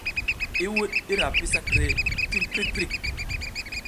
I wuɗ i ra pi sakre tim prik prik.